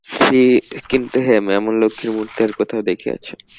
কিন্তু হেম, এমন লক্ষ্মীর মূর্তি আর কোথাও দেখিয়াছ?